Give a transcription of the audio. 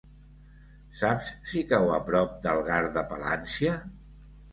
Saps si cau a prop d'Algar de Palància?